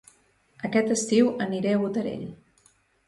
Aquest estiu aniré a Botarell